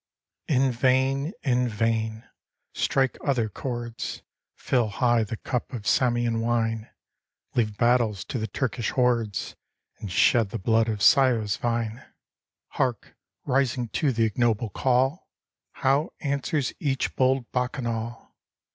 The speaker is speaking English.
In vain — in vain: strike other chords; Fill high the cup of Samian wine ! Leave battles to the Turkish hordes. And shed the blood of Scio's vine! 229 GREECE Hark ! rising to the ignoble call — How answers each bold bacchanal!